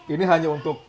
ini hanya untuk